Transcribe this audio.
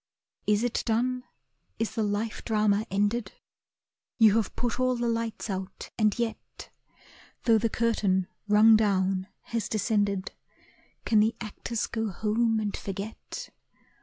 Is it done? is the life drama ended? You have put all the lights out, and yet, Though the curtain, rung down, has descended, Can the actors go home and forget?